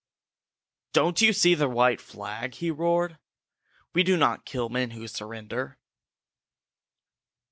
"Don't you see the white flag?" he roared. "We do not kill men who surrender!"